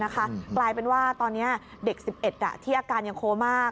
กลายเป็นว่าตอนนี้เด็ก๑๑ที่อาการยังโคมาก